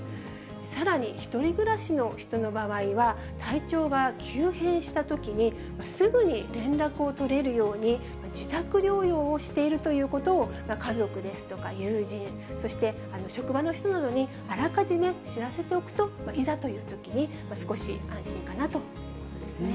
さらに１人暮らしの人の場合は、体調が急変したときにすぐに連絡を取れるように、自宅療養をしているということを、家族ですとか、友人、そして職場の人などにあらかじめ知らせておくと、いざというときに少し安心かなということですね。